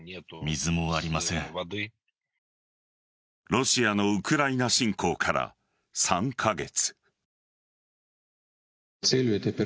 ロシアのウクライナ侵攻から３カ月。